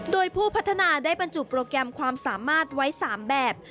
โดยผู้พัฒนาได้บรรจุโปรแกรมความสามารถไว้๓แบบ